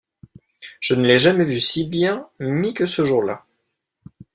Je ne l’ai jamais vu si bien mis que ce jour-là.